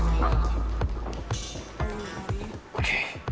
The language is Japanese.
ＯＫ。